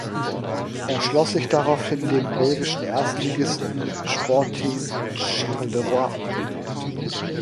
Er schloss sich daraufhin dem belgischen Erstligisten Sporting Charleroi an.